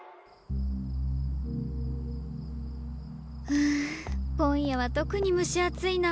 ふう今夜は特に蒸し暑いな。